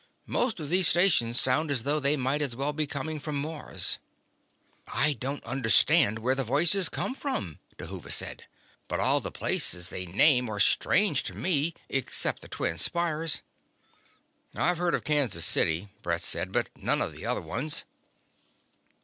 "Most of these stations sound as though they might as well be coming from Mars." "I don't understand where the voices come from," Dhuva said. "But all the places they name are strange to me ... except the Twin Spires." "I've heard of Kansas City," Brett said, "but none of the other ones."